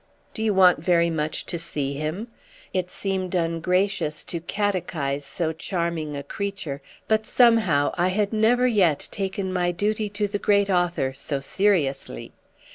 "Do you want very much to see him?" It seemed ungracious to catechise so charming a creature, but somehow I had never yet taken my duty to the great author so seriously.